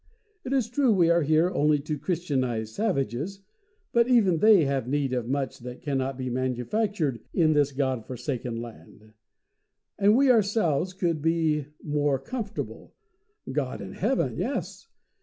It is true we are here only to Christianize savages, but even they have need of much that cannot be manufactured in this God forsaken land. And we ourselves could be more comfortable God in heaven, yes!